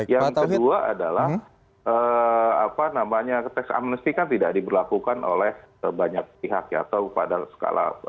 yang kedua adalah atax amnesty tidak diberlakukan oleh banyak pihak